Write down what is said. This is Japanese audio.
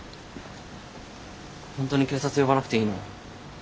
本当に警察呼ばなくていいの？